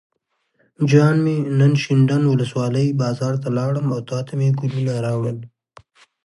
جان مې نن شینډنډ ولسوالۍ بازار ته لاړم او تاته مې ګلونه راوړل.